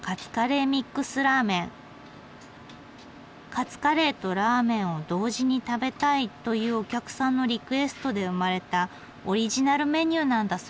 カツカレーとラーメンを同時に食べたいというお客さんのリクエストで生まれたオリジナルメニューなんだそうです。